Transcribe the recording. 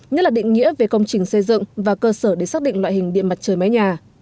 nhất là định nghĩa về công trình xây dựng và cơ sở để xác định loại hình điện mặt trời mái nhà